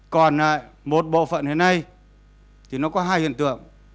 còn một bộ phận hiện nay thì nó có hai hiện tượng